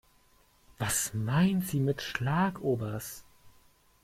Was meint sie mit Schlagobers?